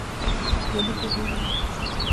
زه نه پوهېږم